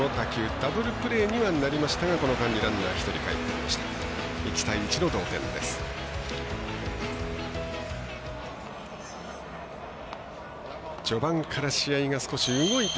ダブルプレーにはなりましたがこの間にランナー１人かえってきました。